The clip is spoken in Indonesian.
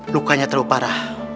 lukanya terlalu parah